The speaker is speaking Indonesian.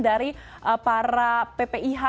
dari para ppih